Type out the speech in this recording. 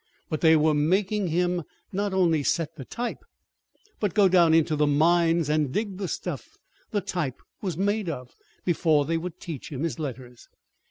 But they were making him not only set the type, but go down into the mines and dig the stuff the type was made of before they would teach him his letters.